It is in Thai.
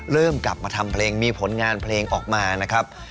เริ่มกลับมาทำเพลงมีผลงานเพลงออกมานะครับ